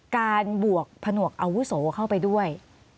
บวกผนวกอาวุโสเข้าไปด้วย